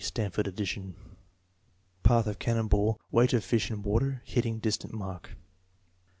(Stanford addition.) Path of cannon ball; weight of Mi in water; hitting dls tujit mark.